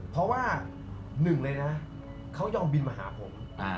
เพราะว่าหนึ่งเลยนะเขายอมบินมาหาผม